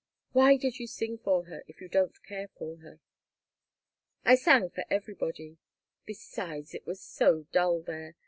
Why did you sing for her if you don't care for her?" "I sang for everybody. Besides, it was so dull there.